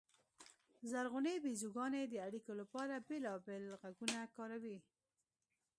زرغونې بیزوګانې د اړیکو لپاره بېلابېل غږونه کاروي.